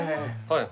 はい。